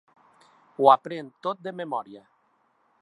Ho aprèn tot de memòria.